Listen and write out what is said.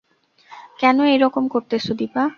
কেন এই রকম করতেছ দিপা?